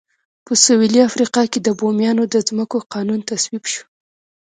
په سوېلي افریقا کې د بومیانو د ځمکو قانون تصویب شو.